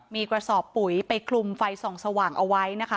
มีกระสอบปุ๋ยไปคลุมไฟส่องสว่างเอาไว้นะคะ